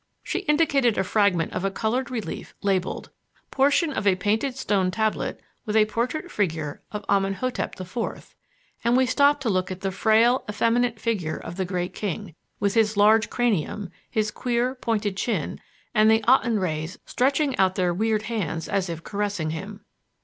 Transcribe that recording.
She indicated a fragment of a colored relief labeled: 'Portion of a painted stone tablet with a portrait figure of Amen hotep IV," and we stopped to look at the frail, effeminate figure of the great king, with his large cranium, his queer, pointed chin, and the Aten rays stretching out their weird hands as if caressing him.